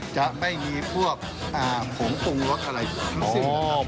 ถ้าไม่มีพวกผงปรุงรสอะไรซึ่งนะครับ